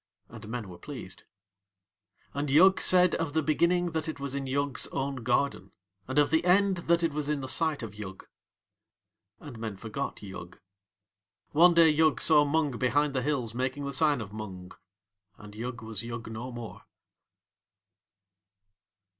And men were pleased. And Yug said of the Beginning that it was in Yug's own garden, and of the End that it was in the sight of Yug. And men forgot Yug. One day Yug saw Mung behind the hills making the sign of Mung. And Yug was Yug no more.